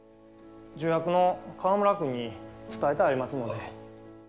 助役の川村君に伝えてありますので。